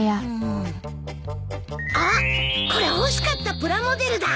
あっこれ欲しかったプラモデルだ。